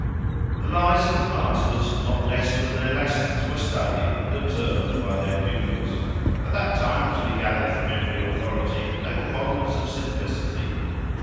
The lives of the masters, not less than their lessons, were studied and observed by their pupils. At that time, as we gather from every authority, they were models of simplicity.